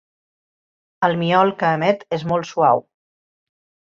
El miol que emet és molt suau.